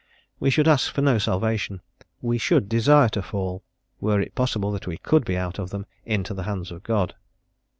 We should ask for no salvation; we should desire to fall were it possible that we could be out of them into the hands of God.